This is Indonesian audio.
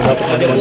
udah jauh pergi